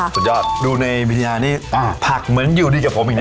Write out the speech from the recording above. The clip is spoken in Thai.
สุดยอดดูในปริญญานี่ผักเหมือนอยู่ดีกับผมแบบนี้นะ